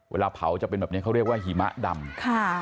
เวลาเผาจะเป็นแบบนี้เขาเรียกว่าหิมะดำค่ะ